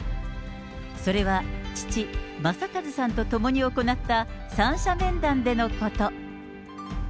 それは、父、正和さんと共に行った三者面談でのこと。